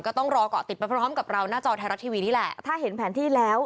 ก็ต้องรอเกาะติดไปพร้อมกับเราหน้าจอไทยรัฐทีวีนี่แหละถ้าเห็นแผนที่แล้ว